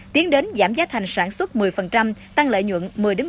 tiến đến giảm giá thành sản xuất một mươi tăng lợi nhuận một mươi một mươi